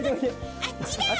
あっちだ！